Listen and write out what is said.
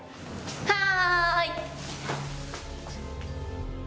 はい。